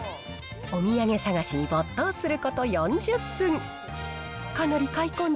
お土産探しに没頭すること４０分。